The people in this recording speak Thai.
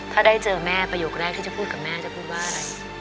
ถ้าได้เจอแม่ประโยคแรกที่จะพูดกับแม่จะพูดว่าอะไร